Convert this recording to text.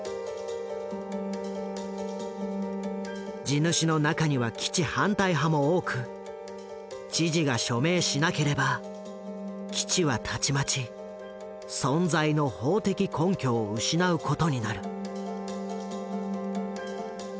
地主の中には基地反対派も多く知事が署名しなければ基地はたちまち存在の法的根拠を失うことになる。